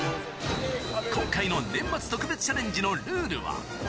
今回の年末特別チャレンジのルールは。